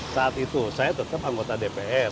saat itu saya tetap anggota dpr